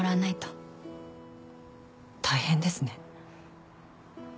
大変ですね。